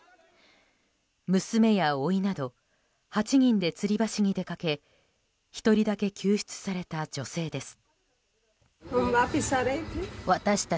娘やおいなど８人で、つり橋に出かけ１人だけ救出された女性です。